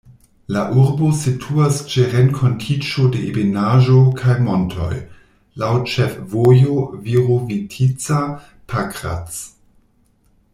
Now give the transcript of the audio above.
La urbo situas ĉe renkontiĝo de ebenaĵo kaj montoj, laŭ ĉefvojo Virovitica-Pakrac.